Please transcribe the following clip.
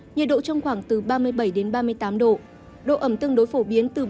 nhiệt độ trong khoảng từ ba mươi bảy ba mươi tám độ độ ẩm tương đối phổ biến từ bốn mươi năm sáu mươi ba